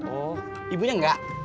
oh ibunya gak